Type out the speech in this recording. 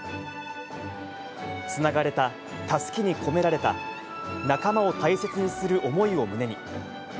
つながれたたすきに込められた仲間を大切にする思いを胸に。